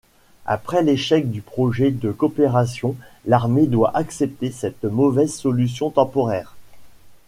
Après l'échec du projet de coopération, l'armée doit accepter cette mauvaise solution temporaire.